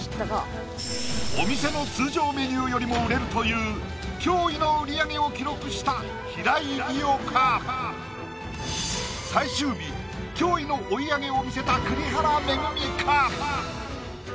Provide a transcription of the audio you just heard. お店の通常メニューよりも売れるという驚異の売り上げを記録した平井理央か？を見せた栗原恵か？